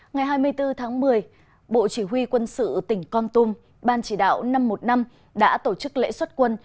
ngày hai mươi bốn tháng một mươi bộ chỉ huy quân sự tỉnh con tum ban chỉ đạo năm trăm một mươi năm đã tổ chức lễ xuất quân